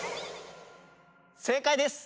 正解です。